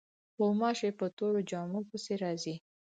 غوماشې په تورو جامو پسې راځي.